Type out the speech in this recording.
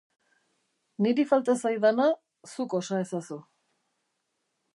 Niri falta zaidana zuk osa ezazu.